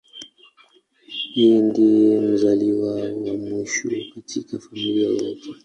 Yeye ndiye mzaliwa wa mwisho katika familia yake.